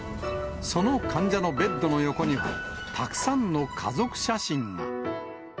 その患者のベッドの横にはたくさんの家族写真が。